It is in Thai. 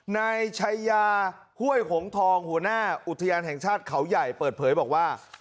นายชัยยาห้วยหงทองหัวหน้าอุทยานแห่งชาติเขาใหญ่เปิดเผยบอกว่า